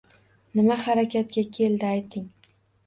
Nima harakatga keldi ayting?